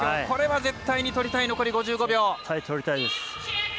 これは絶対に取りたい残り５５秒。